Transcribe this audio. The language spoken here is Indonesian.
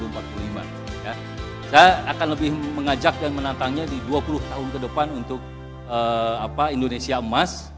hai saya akan lebih mengajak dan menantangnya di dua puluh tahun kedepan untuk apa indonesia emas